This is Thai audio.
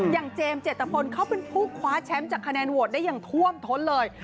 เจมส์เจตพลเขาเป็นผู้คว้าแชมป์จากคะแนนโหวตได้อย่างท่วมท้นเลย